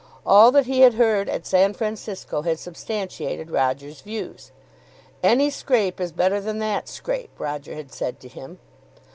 All that he had heard at San Francisco had substantiated Roger's views. "Any scrape is better than that scrape," Roger had said to him.